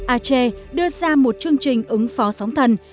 ache đưa ra một chương trình ứng phó sóng thần